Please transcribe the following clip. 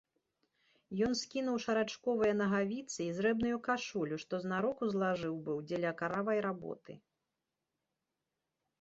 Ён скінуў шарачковыя нагавіцы й зрэбную кашулю, што знарок узлажыў быў дзеля каравай работы.